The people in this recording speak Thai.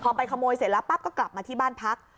พอไปขโมยเสร็จแล้วปั๊บก็กลับมาที่บ้านพัก